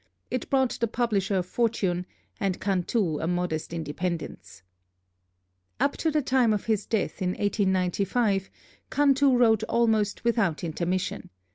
It brought the publisher a fortune and Cantù a modest independence. Up to the time of his death in 1895, Cantù wrote almost without intermission.